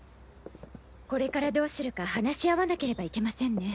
これからどうするか話し合わなければいけませんね。